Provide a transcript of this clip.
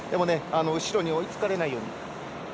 後ろに追いつかれないように。